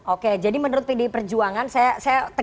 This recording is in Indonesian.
oke jadi menurut pdi perjuangan saya tegaskan lagi ya bang dedy